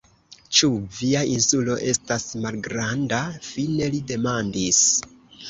Ĉu via Insulo estas malgranda? fine li demandis.